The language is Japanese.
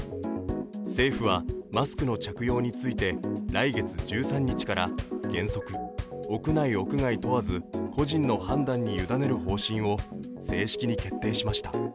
政府はマスクの着用について来月１３日から原則、屋内・屋外問わず個人の判断に委ねる方針を正式に決定しました。